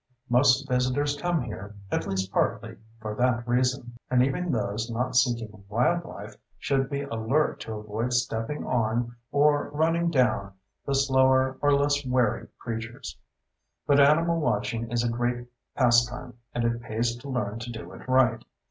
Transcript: Most visitors come here, at least partly, for that reason. And even those not seeking wildlife should be alert to avoid stepping on or running down the slower or less wary creatures. But animal watching is a great pastime, and it pays to learn to do it right.